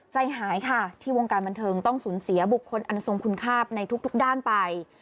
ใจหายค่ะที่วงการบันเทิงต้องสูญเสียบุคคลอันทรงคุณค่าในทุกด้านไป